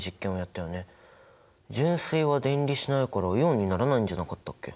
純水は電離しないからイオンにならないんじゃなかったっけ？